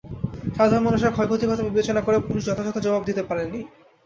সাধারণ মানুষের ক্ষয়ক্ষতির কথা বিবেচনা করে পুলিশ যথাযথ জবাব দিতে পারেনি।